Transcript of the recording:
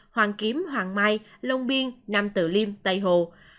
hoàng kiếm hoàng mai lông biên năm tự liêm tây hồ